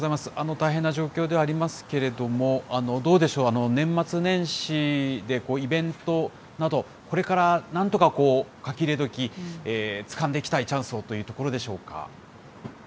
大変な状況ではありますけれども、どうでしょう、年末年始でイベントなど、これからなんとか、書き入れ時、つかんでいきたいチャンスをというところでしょうか。